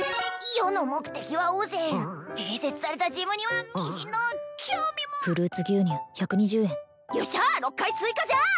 余の目的は温泉併設されたジムにはみじんの興味もフルーツ牛乳１２０円よっしゃ６回追加じゃあ！